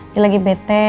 dia lagi bete